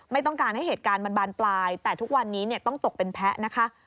ไม่ต้องการให้เหตุการณ์มันบานปลายแต่ทุกวันนี้ต้องตกเป็นแพ้นะคะ